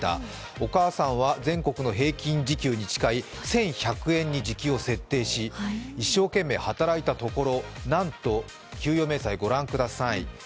お母さんは全国の平均時給に近い１１００円に時給を設定し一生懸命働いたところ、なんと給与明細ご覧ください。